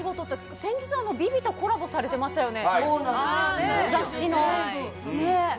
先日、ＶｉＶｉとコラボされてましたよね。